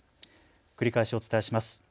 繰り返しお伝えします。